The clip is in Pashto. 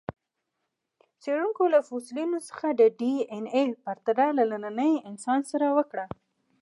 څېړونکو له فسیلونو څخه د ډياېناې پرتله له ننني انسان سره وکړه.